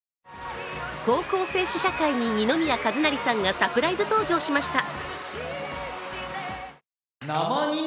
高校生試写会に二宮和也さんがサプライズ登場しました。